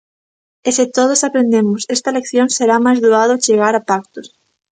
E se todos aprendemos esta lección será máis doado chegar a pactos.